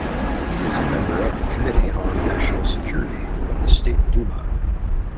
He is a member of the Committee on National Security of the State Duma.